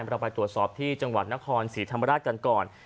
เราไปตรวจสอบที่จังหวัดนครศรีธรรมราชกันก่อน